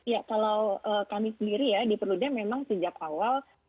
ya kalau kami sendiri ya di perludem memang sejak awal